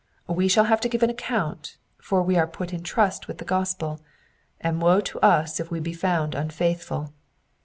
We shall have to give an account, for we are put in trust with the gospel, and woe to us if we be found unfaithful.